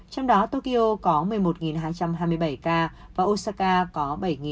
trong đó tokyo có một mươi một hai trăm hai mươi bảy ca và osaka có bảy ba trăm bảy mươi bảy